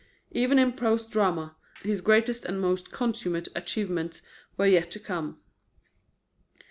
Even in prose drama, his greatest and most consummate achievements were yet to come.